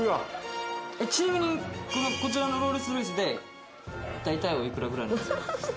ちなみにこちらのロールス・ロイスで大体おいくらぐらいなんですか？